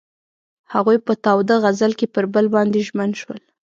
هغوی په تاوده غزل کې پر بل باندې ژمن شول.